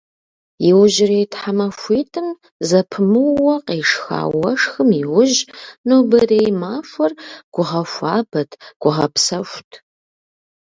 Иужьрей тхьэмахуитӏым зэпымыууэ къешха уэшхым иужь, нобэрей махуэр гугъэхуабэт, гугъэпсэхут.